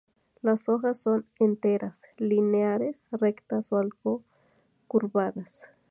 Las hojas son enteras, lineares, rectas o algo curvadas.